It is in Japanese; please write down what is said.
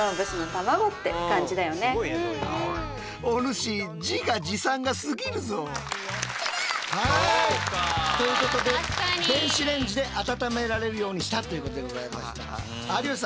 しかもはいということで電子レンジで温められるようにしたということでございました。